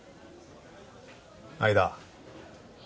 相田